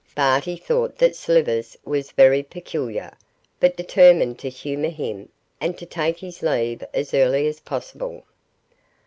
Barty thought that Slivers was very peculiar, but determined to humour him, and to take his leave as early as possible.